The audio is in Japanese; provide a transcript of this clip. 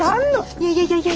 いやいやいやいや。